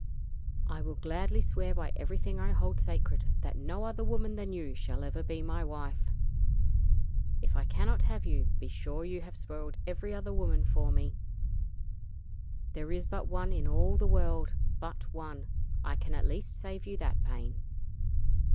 "I will gladly swear by everything I hold sacred that no other woman than you shall ever be my wife. If I cannot have you, be sure you have spoiled every other woman for me. There is but one in all the world but one. I can at least save you that pain."